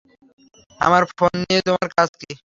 আমার ফোন নিয়ে তোমার কাজ কি?